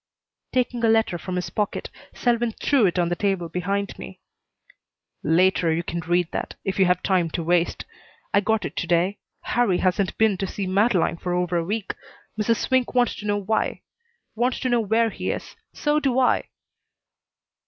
Taking a letter from his pocket, Selwyn threw it on the table behind me. "Later you can read that, if you've time to waste. I got it to day. Harrie hasn't been to see Madeleine for over a week. Mrs. Swink wants to know why. Wants to know where he is. So do I."